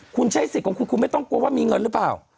คุณใช้สิทธิ์ของคุณคุณไม่ต้องกลัวว่ามีเงินหรือเปล่า